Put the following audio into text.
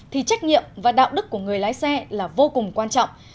thì trách nhiệm và đạo đức của người lái xe là vô cùng quan trọng